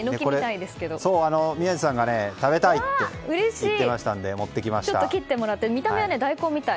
宮司さんが食べたいって言ってましたので見た目は大根みたい。